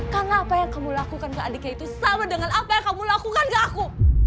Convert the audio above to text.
karena apa yang kamu lakukan ke adiknya itu sama dengan apa yang kamu lakukan ke aku